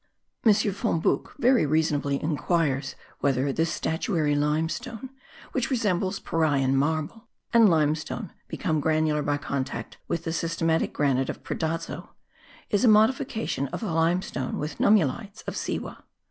von Buch very reasonably inquires whether this statuary limestone, which resembles Parian marble, and limestone become granular by contact with the systematic granite of Predazzo, is a modification of the limestone with nummulites, of Siwa.